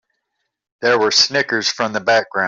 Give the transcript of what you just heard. There were snickers from the background.